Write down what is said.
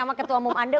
sama ketua umum anda